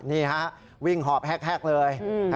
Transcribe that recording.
นี่ฮะวิ่งหอบแฮกเลย